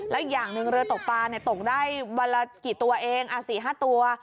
แล้วอีกอย่างหนึ่งเรือตกปลาตกได้วันละกี่ตัวเอง๔๕ตัว